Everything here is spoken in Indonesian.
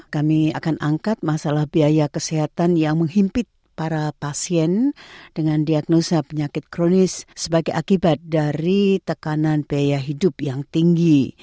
kami akan angkat masalah biaya kesehatan yang menghimpit para pasien dengan diagnosa penyakit kronis sebagai akibat dari tekanan biaya hidup yang tinggi